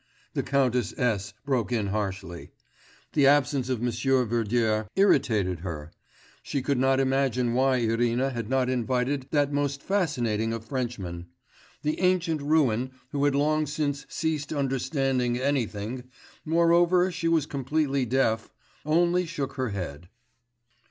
the Countess S. broke in harshly. The absence of M. Verdier irritated her; she could not imagine why Irina had not invited that most fascinating of Frenchmen. The ancient ruin, who had long since ceased understanding anything moreover she was completely deaf only shook her head.